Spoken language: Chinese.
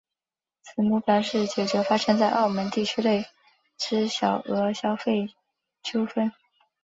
其目标是解决发生在澳门地区内之小额消费纠纷。